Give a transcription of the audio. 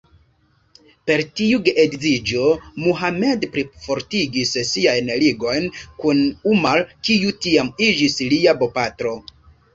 Per tiu geedziĝo, Muhammad plifortigis siajn ligojn kun Umar, kiu tiam iĝis lia bopatro.